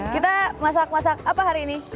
kita masak masak apa hari ini